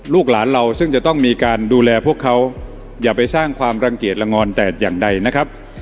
ลูกหลานเราซึ่งจะต้องมีการดูแลพวกเขาอย่าไปสร้างความรังเกียจละงอนแต่อย่างใดนะครับ